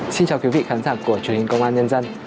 xin chào quý vị khán giả của truyền hình công an nhân dân